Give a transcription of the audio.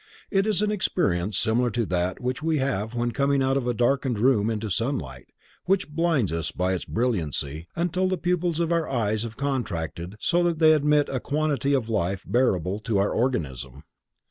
It is an experience similar to that which we have when coming out of a darkened room into sunlight, which blinds us by its brilliancy, until the pupils of our eyes have contracted so that they admit a quantity of light bearable to our organism.